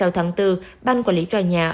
hai mươi sáu tháng bốn ban quản lý tòa nhà